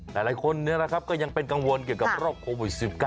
หลายคนเนี่ยแหละครับก็ยังเป็นกังวลเกี่ยวกับโรคโควิด๑๙